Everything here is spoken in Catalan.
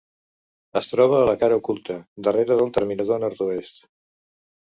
Es troba en la cara oculta, darrere del terminador nord-oest.